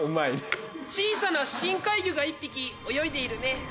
小さな深海魚が１匹泳いでいるね。